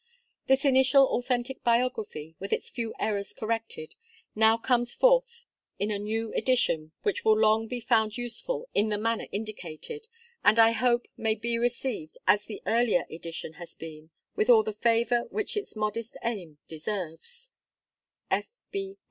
This initial authentic biography, with its few errors corrected, now comes forth in a new edition, which will long be found useful, in the manner indicated, and I hope, may be received as the earlier edition has been, with all the favor which its modest aim deserves.